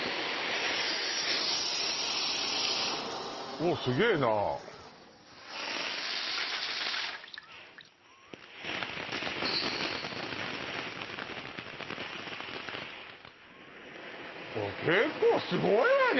おおすげえな結構すごいわね